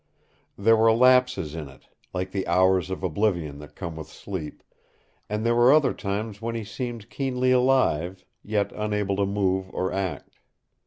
There were lapses in it, like the hours of oblivion that come with sleep, and there were other times when he seemed keenly alive, yet unable to move or act.